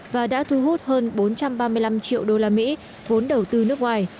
và đã thu hút hơn bốn trăm ba mươi năm triệu usd vốn đầu tư nước ngoài